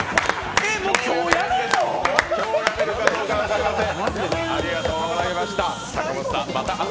今日やめるかどうかは分かりません！